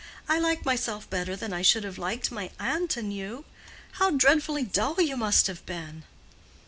I like myself better than I should have liked my aunt and you. How dreadfully dull you must have been!"